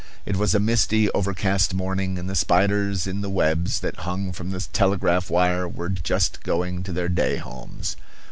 It was a misty, overcast morning, and the spiders in the webs that hung from the telegraph wire were just going to their day homes.